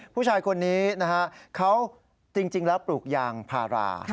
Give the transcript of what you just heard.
ผู้ชายคนนี้นะฮะเขาจริงแล้วปลูกยางพารา